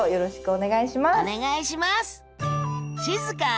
お願いします！